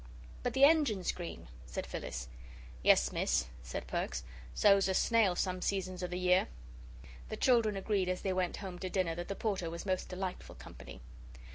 "But the engine's green," said Phyllis. "Yes, Miss," said Perks, "so's a snail some seasons o' the year." The children agreed as they went home to dinner that the Porter was most delightful company.